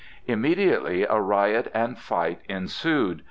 Immediately a riot and fight ensued.